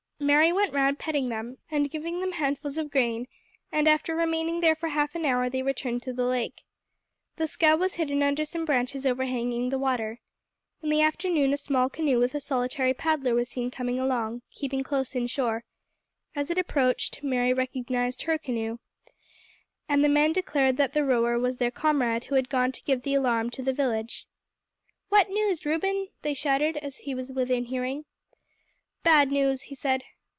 Mary went round petting them and giving them handfuls of grain, and after remaining there for half an hour they returned to the lake. The scow was hidden under some branches overhanging the water. In the afternoon a small canoe with a solitary paddler was seen coming along, keeping close inshore. As it approached, Mary recognized her canoe, and the men declared that the rower was their comrade who had gone to give the alarm to the village. "What news, Reuben?" they shouted as soon as he was within hearing. "Bad news," he said.